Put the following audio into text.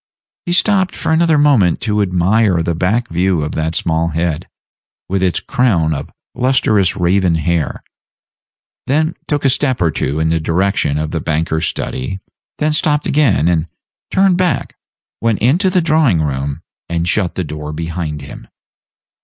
He stopped for another moment to admire the back view of that small head, with its crown of lustrous raven hair, then took a step or two in the direction of the banker's study, then stopped again, then turned back, went into the drawing room, and shut the door behind him.